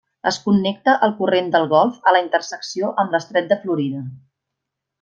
Es connecta al Corrent del Golf a la intersecció amb l'Estret de Florida.